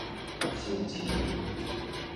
新市